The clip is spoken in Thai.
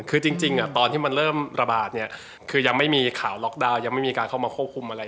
คือจริงตอนที่มันเริ่มระบาดเนี่ยคือยังไม่มีข่าวล็อกดาวน์ยังไม่มีการเข้ามาควบคุมอะไร